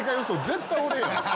絶対俺やん。